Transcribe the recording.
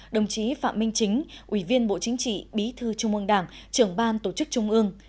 đồng chí phạm minh chính ủy viên bộ chính trị bí thư trung ương đảng trưởng ban tổ chức trung ương